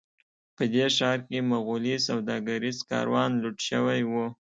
په دې ښار کې مغولي سوداګریز کاروان لوټ شوی و.